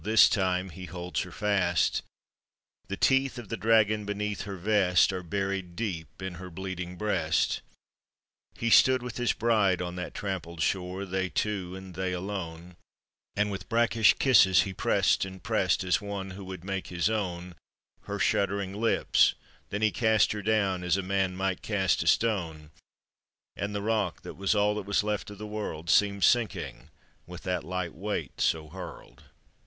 This time he holds her fast; The teeth of the dragon beneath her vest Are buried deep in her bleeding breast. He stood with his bride on that trampled shore — They two, and they alone — And with brackish kisses he pressed and pressed As one who would make his own Her shuddering lips; then he cast her down As a man might cast a stone, And the rock that was all that was left of the world Seemed sinking with that light weight so hurled.